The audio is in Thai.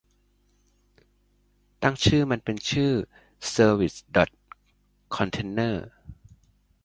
ตั้งชื่อมันเป็นชื่อเซอร์วิสดอทคอนเทอนเนอร์